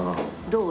どう？